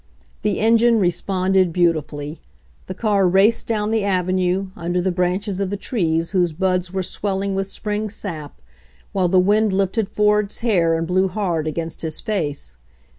The engine responded beautifully. The car raced down the avenue, under the branches of the trees whose buds were swelling with spring sap, while the wind lifted Ford's hair and blew hard against his face.